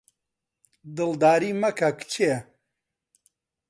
دڵداری مەکە کچێ